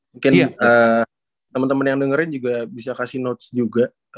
mungkin teman teman yang dengerin juga bisa kasih notes juga